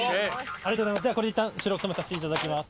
ありがとうございます。